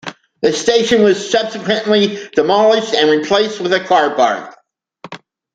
The station was subsequently demolished, and replaced with a car park.